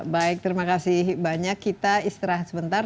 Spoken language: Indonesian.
baik terima kasih banyak kita istirahat sebentar